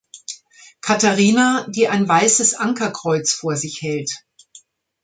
Katharina, die ein weißes Ankerkreuz vor sich hält.